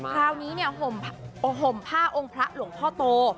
คราวนี้เนี่ยห่มผ้าองค์พระหลวงพ่อโต